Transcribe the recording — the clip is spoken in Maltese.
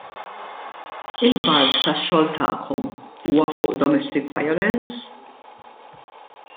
Il-bulk tax-xogħol tagħkom huwa fuq domestic violence?